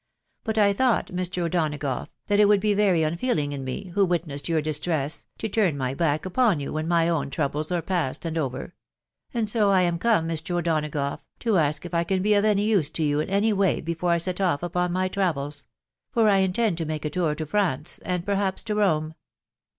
... but I thought, Mr. O'Donagough, that it would be very unfeeling in me, who witnessed your distress, to turn my back upon you when my own troubles are past and over ; and so I am come, Mr. O'Donagough, to ask if I can be of any use to you in any way before I set off upon my travels, .... for I intend to make * tour to France, and per haps to Rome."